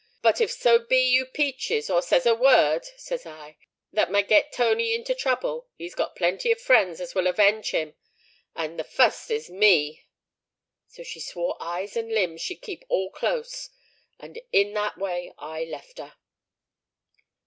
But if so be you peaches, or says a word_,' says I, 'that may get Tony into trouble, he's got plenty of friends as will awenge him, and the fust is me.'—So she swore eyes and limbs, she'd keep all close; and in that way I left her."